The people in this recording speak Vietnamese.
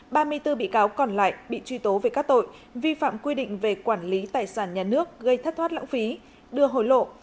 ba mươi bốn bị cáo còn lại bị truy tố về các tội vi phạm quy định về quản lý tài sản nhà nước gây thất thoát lãng phí đưa hối lộ